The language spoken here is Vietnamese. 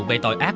về tội ác